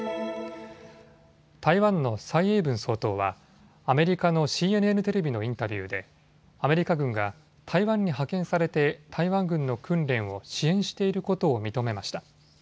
台湾の蔡英文総統はアメリカのＣＮＮテレビのインタビューでアメリカ軍が台湾に派遣されて台湾軍の訓練を支援していることを認めました。